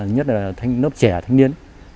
nhất là lớp trẻ thanh niên